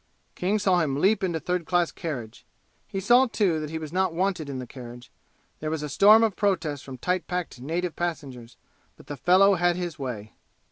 King saw him leap into third class carriage. He saw, too, that he was not wanted in the carriage. There was a storm of protest from tight packed native passengers, but the fellow had his way.